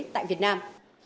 tại việt nam